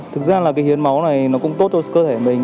thực ra là cái hiến máu này nó cũng tốt cho cơ thể mình